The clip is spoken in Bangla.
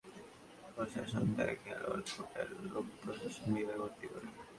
এরপর তৎকালীন বিশ্ববিদ্যালয় প্রশাসন তাঁকে খেলোয়াড় কোটায় লোকপ্রশাসন বিভাগে ভর্তি করে।